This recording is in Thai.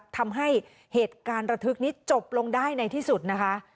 ทำให้เหตุการณ์ระทึกนี้จบลงได้ในที่สุดนะคะ